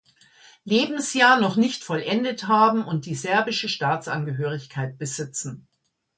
Lebensjahr noch nicht vollendet haben und die serbische Staatsangehörigkeit besitzen.